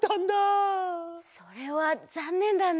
それはざんねんだね。